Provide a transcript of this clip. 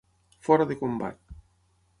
Fora de combat.